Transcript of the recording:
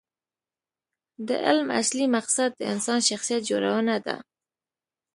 د علم اصلي مقصد د انسان شخصیت جوړونه ده.